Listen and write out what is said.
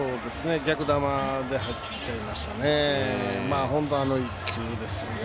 逆球で入っちゃいましたね。